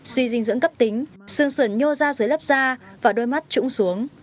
suy dinh dưỡng cấp tính xương sưởng nhô ra dưới lớp da và đôi mắt trũng xuống